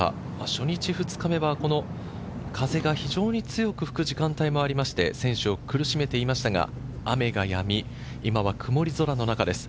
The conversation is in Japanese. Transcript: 初日、２日目は風が非常に強く吹く時間帯もありまして選手を苦しめていましたが、雨がやみ、今は曇り空の中です。